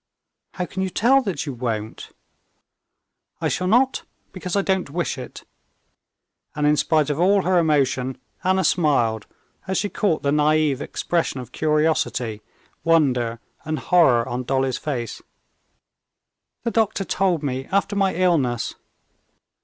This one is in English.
"How can you tell that you won't?" "I shall not, because I don't wish it." And, in spite of all her emotion, Anna smiled, as she caught the naïve expression of curiosity, wonder, and horror on Dolly's face. "The doctor told me after my illness...."